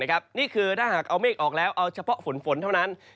นี่คือถ้าหากเอาเมฆออกแล้วเอาเฉพาะฝนเท่านั้น